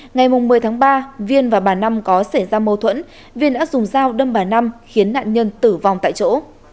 ngày một mươi tháng ba viên và bà năm có xảy ra mâu thuẫn viên đã dùng dao đâm bà năm khiến nạn nhân tử vong tại chỗ